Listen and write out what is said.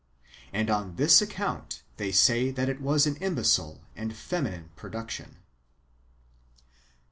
'^ And on this account they say that it was an imbecile and feminine production.